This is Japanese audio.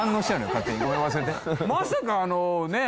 勝手にまさかあのねえ